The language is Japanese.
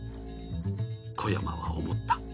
小山は思った。